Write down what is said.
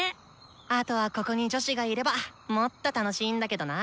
あとはここに女子がいればもっと楽しいんだけどな。